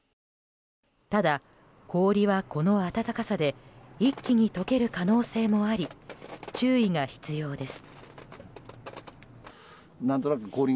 ただ、氷はこの暖かさで一気に解ける可能性もあり注意が必要です。